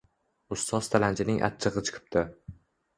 Ustoz tilanchining achchig’i chiqibdi.